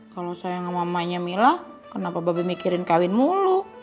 kalau sayang sama emaknya mila kenapa be mikirin kawin mulu